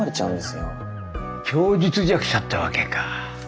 供述弱者ってわけか。